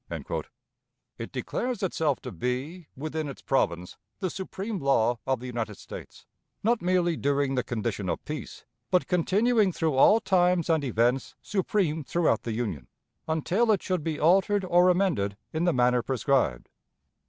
It declares itself to be, within its province, the supreme law of the United States, not merely during the condition of peace, but continuing through all times and events supreme throughout the Union, until it should be altered or amended in the manner prescribed.